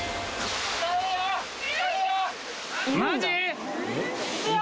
マジ？